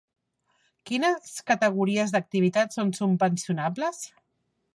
Quines categories d'activitat són subvencionables?